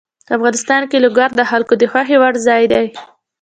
افغانستان کې لوگر د خلکو د خوښې وړ ځای دی.